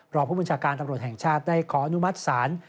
รองผู้บัญชาการตำรวจแห่งชาติได้ขออนุมัติศาล